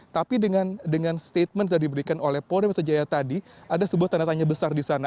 tapi dengan statement yang diberikan oleh polda metro jaya tadi ada sebuah tanda tanya besar di sana